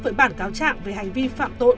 với bản cáo trạng về hành vi phạm tội